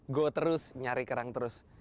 gue terus nyari kerang terus